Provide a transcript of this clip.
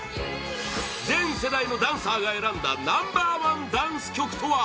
全世代のダンサーが選んだナンバー１ダンス曲とは？